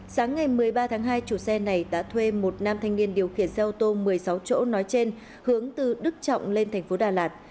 sáng ngày một mươi ba tháng hai chủ xe này đã thuê một nam thanh niên điều khiển xe ô tô một mươi sáu chỗ nói trên hướng từ đức trọng lên thành phố đà lạt